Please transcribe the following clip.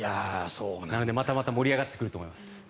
またまた盛り上がってくると思います。